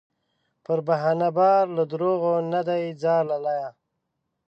پر بهانو بار له دروغو نه دې ځار لالیه